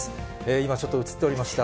今、ちょっと写っておりました。